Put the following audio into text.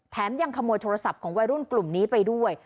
ยังขโมยโทรศัพท์ของวัยรุ่นกลุ่มนี้ไปด้วย